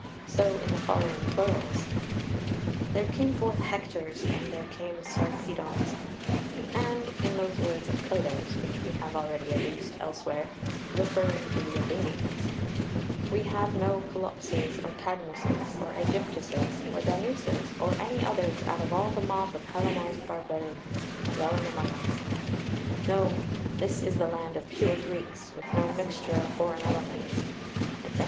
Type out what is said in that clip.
So in the following plurals "There came forth Hectors, and there came Sarpedons." [Footnote 1: O. R. 1403.] 4 And in those words of Plato's (which we have already adduced elsewhere), referring to the Athenians: "We have no Pelopses or Cadmuses or Aegyptuses or Danauses, or any others out of all the mob of Hellenised barbarians, dwelling among us; no, this is the land of pure Greeks, with no mixture of foreign elements," etc.